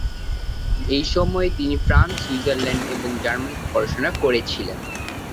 এই সময়ে, তিনি ফ্রান্স, সুইজারল্যান্ড এবং জার্মানিতে পড়াশোনা করেছিলেন।